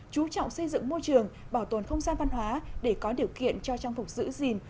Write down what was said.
chú trọng xây dựng môi trường bảo tồn không gian văn hóa để có điều kiện cho trang phục giữ gìn